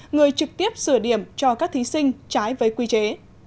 người trực tiếp sửa điểm cho các thí sinh trái với quy chế